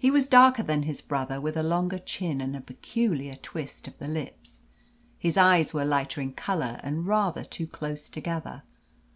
He was darker than his brother, with a longer chin and a peculiar twist of the lips. His eyes were lighter in colour, and rather too close together.